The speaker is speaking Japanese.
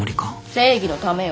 正義のためよ。